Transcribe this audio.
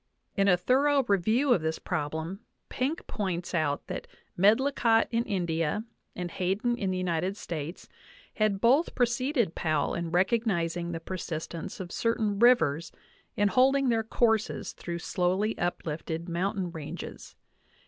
In a thorough review of this prob lem, Penck* points out that Medlicott in India and Hayden in the United States had both preceded Powell in recognizing the persistence of certain rivers in holding their courses through slowly uplifted mountain ranges.